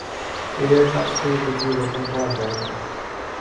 এদের কাছ থেকে কিছুই গোপন করা যায় না।